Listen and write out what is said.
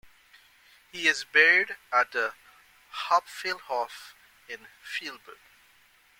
He is buried in the Hauptfriedhof in Freiburg.